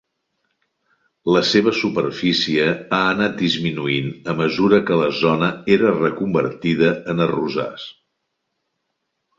La seva superfície ha anat disminuint a mesura que la zona era reconvertida en arrossars.